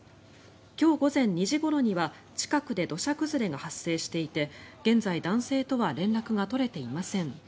今日午前２時ごろには近くで土砂崩れが発生していて現在男性とは連絡が取れていません。